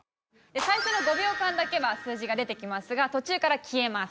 最初の５秒間だけは数字が出てきますが途中から消えます。